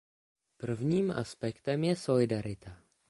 Prvním aspektem je solidarita.